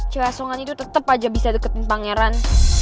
cewek asongan itu tetep aja bisa deketin pangeran